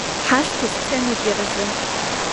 Ҳашҭа сценоуп иара азы…